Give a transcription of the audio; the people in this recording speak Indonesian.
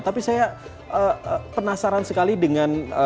tapi saya penasaran sekali dengan